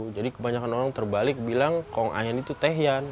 jadi kebanyakan orang terbalik bilang konghayan itu tehian